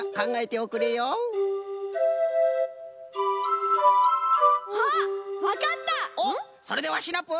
おっそれではシナプー！